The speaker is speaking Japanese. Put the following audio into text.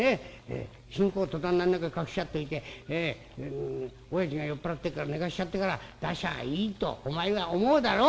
新公を戸棚の中に隠しやっといておやじが酔っ払ってるから寝かしちゃってから出しゃあいいとお前は思うだろ？